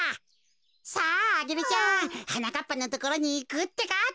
さあアゲルちゃんはなかっぱのところにいくってか。